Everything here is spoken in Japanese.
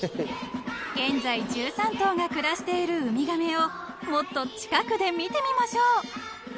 ［現在１３頭が暮らしているウミガメをもっと近くで見てみましょう］